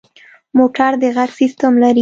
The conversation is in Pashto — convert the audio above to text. موټر د غږ سیسټم لري.